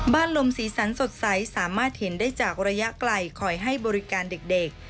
ลมสีสันสดใสสามารถเห็นได้จากระยะไกลคอยให้บริการเด็ก